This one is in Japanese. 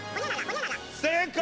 正解！